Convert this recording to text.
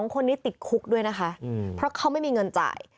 คนนี้ติดคุกด้วยนะคะเพราะเขาไม่มีเงินจ่าย